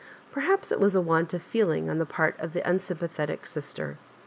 Perhaps it was a want of feeling on the part of the unsympathetic sister.